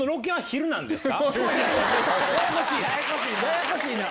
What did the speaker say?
ややこしいな！